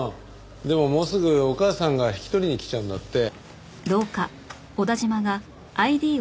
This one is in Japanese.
でももうすぐお母さんが引き取りにきちゃうんだって。